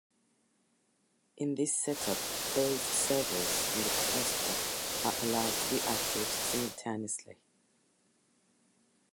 In this setup, both servers in the cluster are allowed to be active simultaneously.